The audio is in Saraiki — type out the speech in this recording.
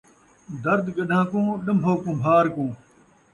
درد گݙان٘ہہ کوں ، ݙن٘بھو کمبھار کوں